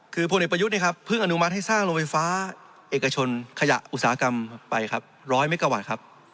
พูดในประยุทธ์พึ่งอนุมัติให้สร้างโรงไฟฟ้าเอกชนขยะอุตสาหกรรมไป๑๐๐เมกะวัตต์